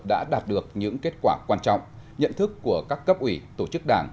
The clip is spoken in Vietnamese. đã đạt được những kết quả quan trọng nhận thức của các cấp ủy tổ chức đảng